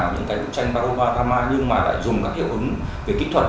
những cái vũ trang baroba drama nhưng mà lại dùng các hiệu ứng về kỹ thuật